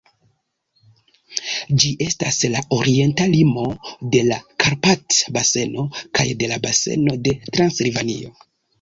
Ĝi estas la orienta limo de la Karpat-baseno kaj de la Baseno de Transilvanio.